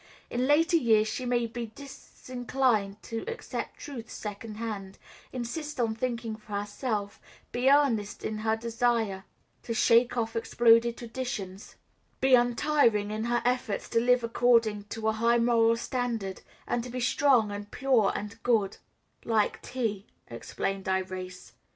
In later years she may be disinclined to accept truths second hand, insist on thinking for herself, be earnest in her desire to shake off exploded traditions, be untiring in her efforts to live according to a high moral standard and to be strong, and pure, and good " "Like tea," explained Irais.